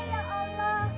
eh ya allah